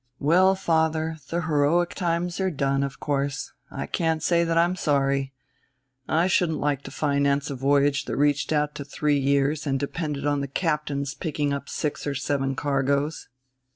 "Well, father, the heroic times are done, of course; I can't say that I'm sorry. I shouldn't like to finance a voyage that reached out to three years and depended on the captain's picking up six or seven cargoes."